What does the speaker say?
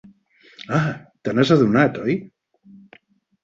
Ah, te n'has adonat, oi?